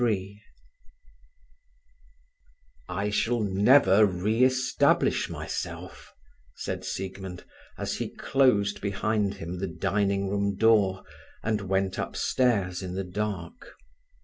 XXIII "I shall never re establish myself," said Siegmund as he closed behind him the dining room door and went upstairs in the dark.